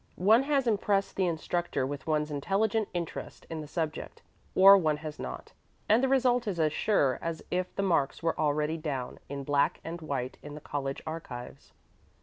One has impressed the instructor with one's intelligent interest in the subject, or one has not, and the result is as sure as if the marks were already down in black and white in the college archives.